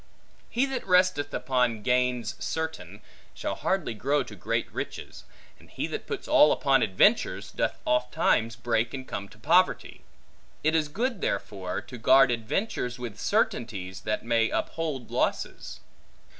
He that resteth upon gains certain, shall hardly grow to great riches; and he that puts all upon adventures, doth oftentimes break and come to poverty: it is good, therefore, to guard adventures with certainties, that may uphold losses.